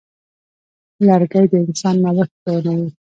لرګی د انسان نوښت بیانوي.